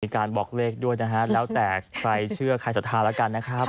การบอกเลขด้วยนะฮะแล้วแต่ใครเชื่อใครศรัทธาแล้วกันนะครับ